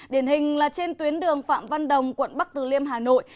điển hình là trên tuyến đường phạm văn đồng quận bắc từ liêm hà nội